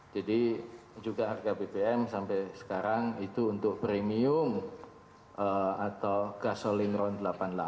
jadi juga harga bbm sampai sekarang itu untuk premium atau gasoling round delapan puluh delapan